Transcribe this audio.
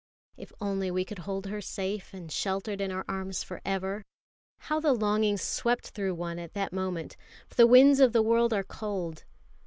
If only we could hold her safe and sheltered in our arms for ever! How the longing swept through one at that moment: for the winds of the world are cold.